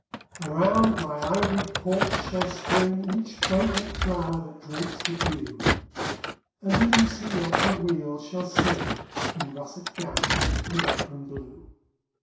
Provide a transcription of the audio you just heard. Around my ivied porch shall spring Each fragrant flower that drinks the dew; And Lucy, at her wheel, shall sing In russet gown and apron blue.